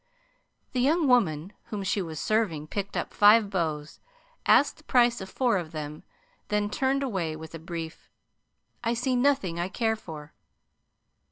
The young woman whom she was serving picked up five bows, asked the price of four of them, then turned away with a brief: "I see nothing I care for."